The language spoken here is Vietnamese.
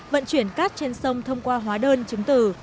vận chuyển cát trên sông thông qua hóa đơn chứng từ